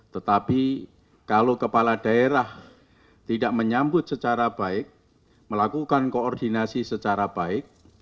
tetapi kalau kepala daerah tidak menyambut secara baik melakukan koordinasi secara baik